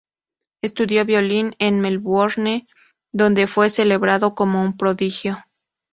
Estudió violín en Melbourne, donde fue celebrado como un prodigio.